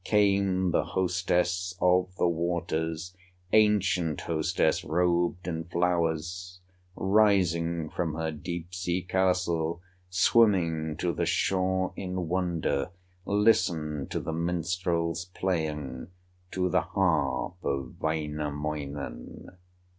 Came the hostess of the waters, Ancient hostess robed in flowers, Rising from her deep sea castle, Swimming to the shore in wonder, Listened to the minstrel's playing, To the harp of Wainamoinen.